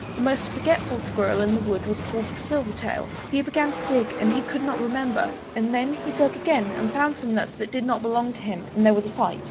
The most forgetful squirrel in the wood was called Silvertail. He began to dig, and he could not remember. And then he dug again and found some nuts that did not belong to him; and there was a fight.